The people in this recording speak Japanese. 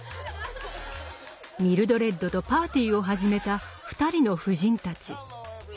ミルドレッドとパーティーを始めた２人の夫人たち。